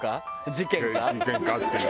「事件か？」っていう。